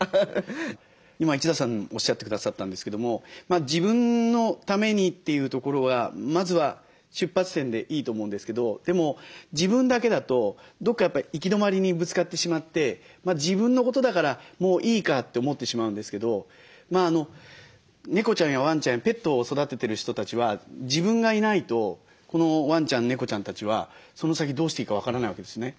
今一田さんおっしゃってくださったんですけども「自分のために」というところがまずは出発点でいいと思うんですけどでも自分だけだとどっかやっぱり行き止まりにぶつかってしまって自分のことだからもういいかって思ってしまうんですけどネコちゃんやワンちゃんやペットを育ててる人たちは自分がいないとこのワンちゃんネコちゃんたちはその先どうしていいか分からないわけですね。